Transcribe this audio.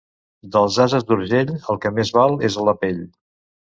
Dels ases d'Urgell el que més val és la pell.